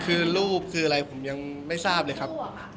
คือรูปคืออะไรผมยังไม่ทราบเลยครับ